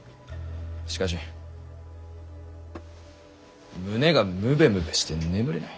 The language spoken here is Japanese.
しかし胸がムベムベして眠れない。